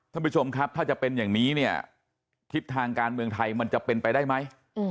ท่านผู้ชมครับถ้าจะเป็นอย่างนี้เนี่ยทิศทางการเมืองไทยมันจะเป็นไปได้ไหม